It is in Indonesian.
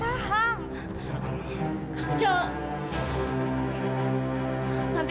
aku salah paham